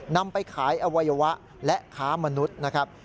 นำไปขายอวัยวะและค้ามนุษย์นะครับ